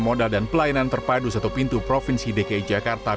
modal dan pelayanan terpadu satu pintu provinsi dki jakarta